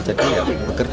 jadi ya bekerja